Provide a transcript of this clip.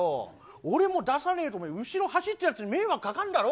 俺も出さねえと、お前、後ろ走ってるやつに迷惑かかんだろ？